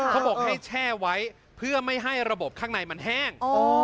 เขาบอกให้แช่ไว้เพื่อไม่ให้ระบบข้างในมันแห้ง